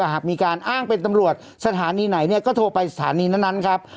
หากมีการอ้างเป็นตำรวจสถานีไหนเนี่ยก็โทรไปสถานีนั้นครับ